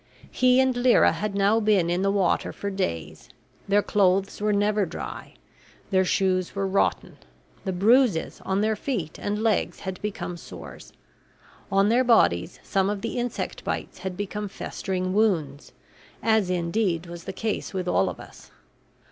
He and Lyra had now been in the water for days. Their clothes were never dry. Their shoes were rotten. The bruises on their feet and legs had become sores. On their bodies some of the insect bites had become festering wounds, as indeed was the case with all of us.